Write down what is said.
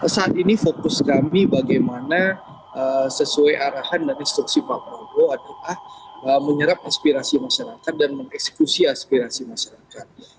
saat ini fokus kami bagaimana sesuai arahan dan instruksi pak prabowo adalah menyerap aspirasi masyarakat dan mengeksekusi aspirasi masyarakat